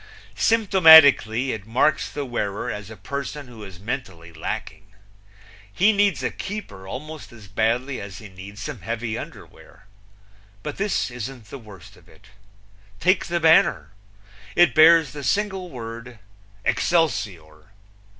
Symptomatically it marks the wearer as a person who is mentally lacking. He needs a keeper almost as badly as he needs some heavy underwear. But this isn't the worst of it. Take the banner. It bears the single word "Excelsior."